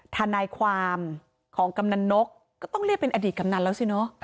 ทนายความของกำนันนกก็ต้องเรียกเป็นอดีตกำนันแล้วสิเนอะ